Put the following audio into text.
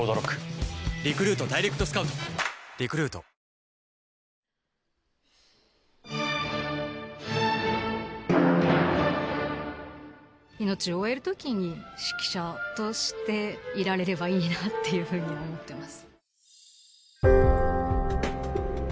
三井不動産命を終えるときに指揮者としていられればいいなっていうふうに思ってます